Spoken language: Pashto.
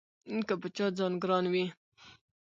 که په چا ځان ګران وي